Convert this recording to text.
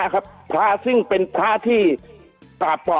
คุณติเล่าเรื่องนี้ให้ฮะ